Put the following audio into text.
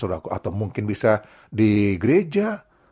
atau mungkin bisa di gereja